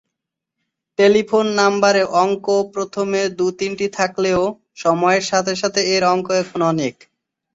Telephone নাম্বারে অঙ্ক প্রথমে দু’তিনটি থাকলেও সময়ের সাথে সাথে এর অঙ্ক এখন অনেক।